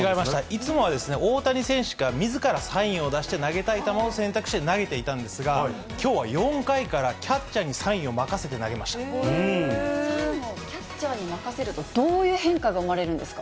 いつもは大谷選手からみずからサインを出して、投げたい球を選択して投げていたんですが、きょうは４回から、キャッチャーにサインを任せて投サインをキャッチャーに任せると、どういう変化が生まれるんですか。